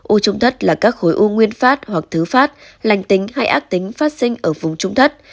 ô trung thất là các khối u nguyên phát hoặc thứ phát lành tính hay ác tính phát sinh ở vùng trúng thất